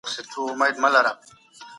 تاريخي دورې بايد وپېژندل سي.